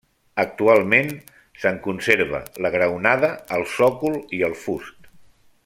Actualment se'n conserva la graonada, el sòcol i el fust.